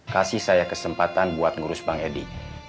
kasih saya kesempatan buat ngurus bang edi